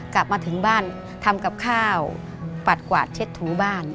กลับมาถึงบ้านทำกับข้าวปัดกวาดเช็ดถูบ้าน